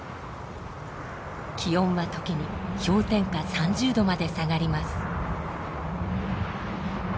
気温は時に氷点下３０度まで下がります。